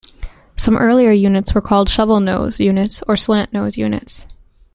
Some earlier units were called "shovel nose" units or "slant nose" units.